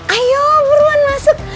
ayo buruan masuk